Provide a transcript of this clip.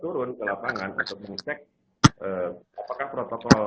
turun ke lapangan untuk mengecek apakah protokol